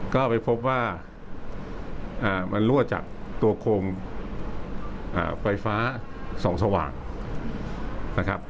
ก็ไปพบว่ามันรั่วจากตัวโคมไฟฟ้าส่องสว่างนะครับ